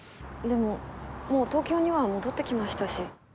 でももう東京には戻ってきましたし。